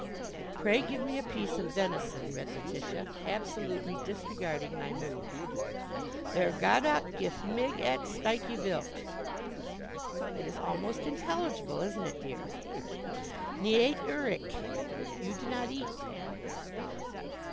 "'Pray, give me a piece of venison,'" read Letitia, absolutely disregarding my mood. "'Var god och gif mig ett stycke vildt.' It is almost intelligible, isn't it, dear? 'Ni äter icke': you do not eat."